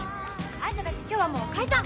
あんたたち今日はもう解散！